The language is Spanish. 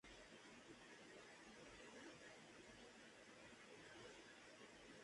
Si la objeción fuera parcial, el Presidente de la República presentará un texto alternativo.